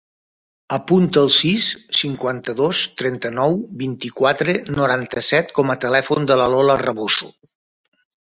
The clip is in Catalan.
Apunta el sis, cinquanta-dos, trenta-nou, vint-i-quatre, noranta-set com a telèfon de la Lola Raboso.